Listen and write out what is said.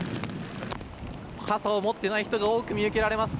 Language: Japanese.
傘を持っていない人が多く見受けられます。